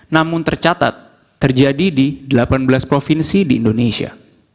namun tercatat terjadi di delapan belas provinsi di indonesia